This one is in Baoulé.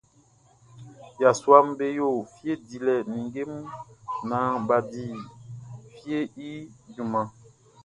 Yasuaʼm be yo fie dilɛ ninnge mun naan bʼa di fieʼn i junman.